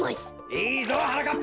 いいぞはなかっぱ！